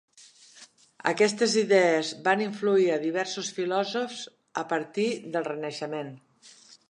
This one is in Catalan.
Aquestes idees van influir a diversos filòsofs a partir del renaixement.